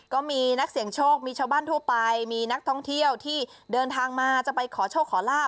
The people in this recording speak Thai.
ก็มีนักเสี่ยงโชคมีชาวบ้านทั่วไปมีนักท่องเที่ยวที่เดินทางมาจะไปขอโชคขอลาบ